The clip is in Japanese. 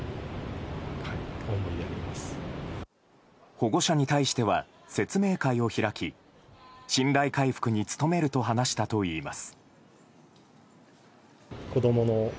保護者に対しては説明会を開き信頼回復に努めると話したといいます。